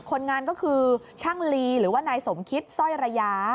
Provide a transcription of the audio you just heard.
คนงานก็คือช่างลีหรือว่านายสมคิดสร้อยระยะ